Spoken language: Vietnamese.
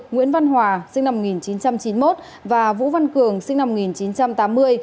nguyễn văn hòa sinh năm một nghìn chín trăm chín mươi một và vũ văn cường sinh năm một nghìn chín trăm tám mươi